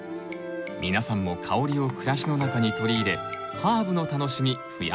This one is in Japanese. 皆さんも香りを暮らしの中に取り入れハーブの楽しみ増やして下さい。